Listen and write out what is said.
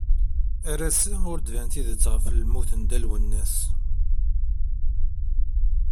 Ar ass-a ur d-tban tidett ɣef lmut n Dda Lwennas.